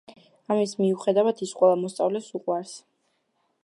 ამის მიუხედავად ის ყველა მოსწავლეს უყვარს.